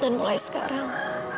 dan mulai sekarang